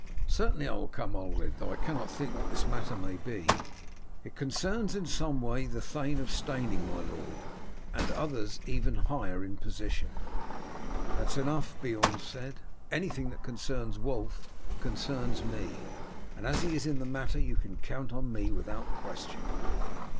"Certainly I will come, Ulred, though I cannot think what this matter may be." "It concerns in some way the Thane of Steyning, my lord, and others even higher in position." "That is enough," Beorn said. "Anything that concerns Wulf concerns me, and as he is in the matter you can count on me without question."